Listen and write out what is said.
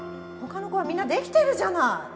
他の子はみんなできてるじゃない！